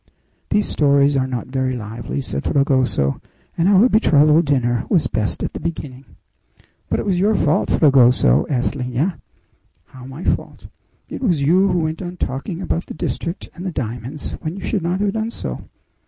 "These stories are not very lively," said Fragoso, "and our betrothal dinner was best at the beginning." "But it was your fault, Fragoso," answered Lina. "How my fault?" "It was you who went on talking about the district and the diamonds, when you should not have done so."